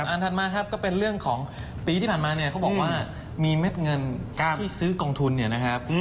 อันถัดมาครับก็เป็นเรื่องของปีที่ผ่านมาเนี่ยเขาบอกว่ามีเม็ดเงินที่ซื้อกองทุนเนี่ยนะครับ